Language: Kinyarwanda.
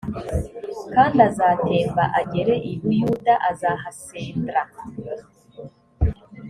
kandi azatemba agere i buyuda azahasendra